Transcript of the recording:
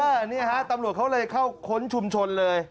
อันนี้ฮะตำรวจเขาเลยเข้าค้นชุมชนเลย